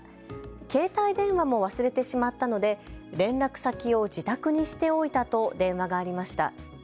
携帯電話も忘れてしまったので連絡先を自宅にしておいたと電話がありました。